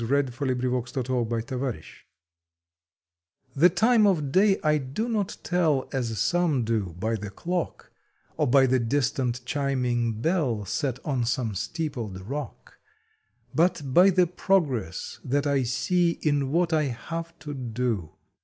September Twenty eighth TELLING TIME "PHE time of day I do not tell * As some do by the clock, Or by the distant chiming bell Set on some steepled rock, But by the progress that I see In what I have to do.